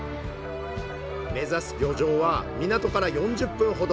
目指す漁場は港から４０分ほど。